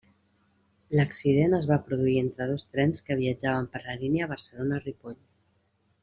L'accident es va produir entre dos trens que viatjaven per la línia Barcelona-Ripoll.